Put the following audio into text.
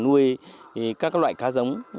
nuôi các loại cá giống